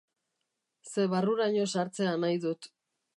Ze barruraino sartzea nahi dut.